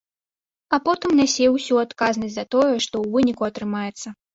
А потым нясе ўсю адказнасць за тое, што ў выніку атрымаецца.